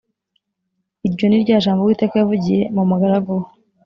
Iryo ni rya jambo Uwiteka yavugiye mu mugaragu we